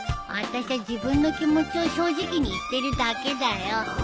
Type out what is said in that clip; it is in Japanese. あたしゃ自分の気持ちを正直に言ってるだけだよ。